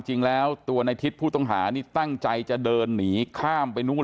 จริงแล้วตัวในทิศผู้ต้องหานี่ตั้งใจจะเดินหนีข้ามไปนู่น